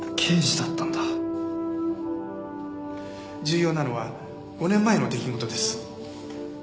重要なのは５年前の出来事です。